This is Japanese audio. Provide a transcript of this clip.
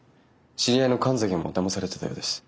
知り合いの神崎もだまされてたようです。